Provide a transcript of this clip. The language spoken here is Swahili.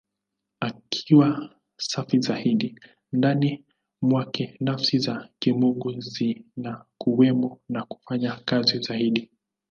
Akiwa safi zaidi, ndani mwake Nafsi za Kimungu zinakuwemo na kufanya kazi zaidi.